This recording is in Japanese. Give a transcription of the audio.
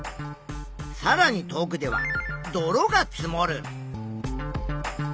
さらに遠くでは泥が積もる。